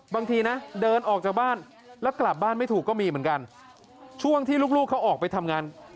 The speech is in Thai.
บางทีนะเดินออกจากบ้านแล้วกลับบ้านไม่ถูกก็มีเหมือนกันช่วงที่ลูกเขาออกไปทำงาน